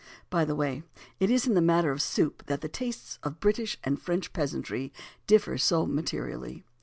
By the way, it is in the matter of soup that the tastes of the British and French peasantry differ so materially.